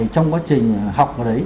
trong quá trình học